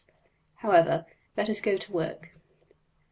However, let us go to work.